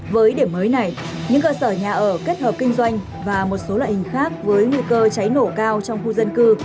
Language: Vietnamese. với điểm mới này những cơ sở nhà ở kết hợp kinh doanh và một số loại hình khác với nguy cơ cháy nổ cao trong khu dân cư